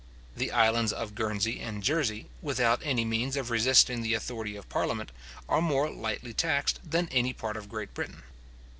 The islands of Guernsey and Jersey, without any means of resisting the authority of parliament, are more lightly taxed than any part of Great Britain.